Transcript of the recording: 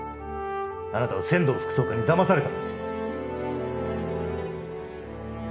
あなたは千堂副総監にだまされたんですよ。